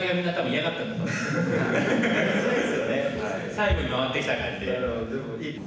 最後に回ってきた感じで。